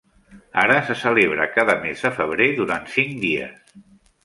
Ara se celebra cada mes de febrer durant cinc dies.